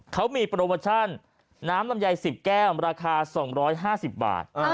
เขามีโปรโมชั่นน้ำลำไย๑๐แก้วราคา๒๕๐บาท